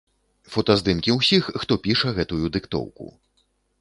Фотаздымкі ўсіх, хто піша гэтую дыктоўку.